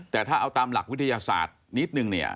แต่ถ้าเอาตามหลักวิทยาศาสตร์นิดนึงเนี่ย